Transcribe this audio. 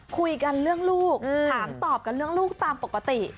คุยกันเรื่องลูกถามตอบกันเรื่องลูกตามปกติ